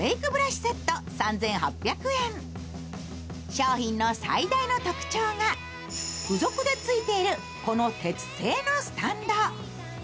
商品の最大の特徴が、付属でついているこの鉄製のスタンド。